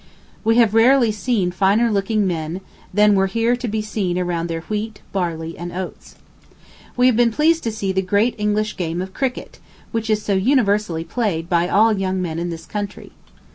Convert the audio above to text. We have rarely seen finer looking men than were here to be seen around their wheat, barley, and oats. We have been pleased to see the great English game of cricket, which is so universally played by all young men in this country.